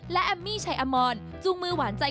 และแอมมี่ชัยอมรจูงมือหวานใจ